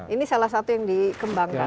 ini salah satu yang dikembangkan